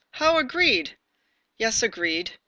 "How agreed?" "Yes, agreed.